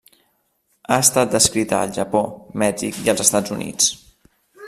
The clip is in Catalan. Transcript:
Ha estat descrita al Japó, Mèxic i als Estats Units.